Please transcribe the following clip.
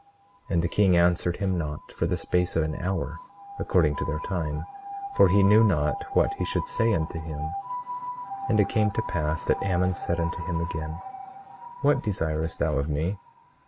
And the king answered him not for the space of an hour, according to their time, for he knew not what he should say unto him. 18:15 And it came to pass that Ammon said unto him again: What desirest thou of me?